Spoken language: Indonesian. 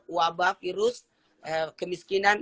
wabah virus kemiskinan